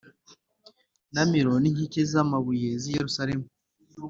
na Milo n’inkike z’amabuye z’i Yerusalemu